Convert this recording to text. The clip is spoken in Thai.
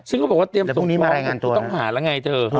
ซึ่งก็บอกว่าต้องหาแล้วไงเธอ